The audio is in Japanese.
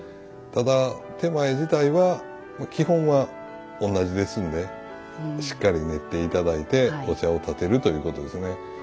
ただ点前自体は基本は同じですんでしっかり練って頂いてお茶を点てるということですね。